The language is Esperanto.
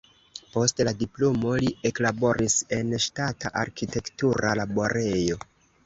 Post la diplomo li eklaboris en ŝtata arkitektura laborejo.